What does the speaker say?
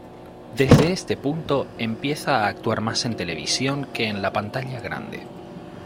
Desde este punto, empieza a actuar más en televisión que en la pantalla grande.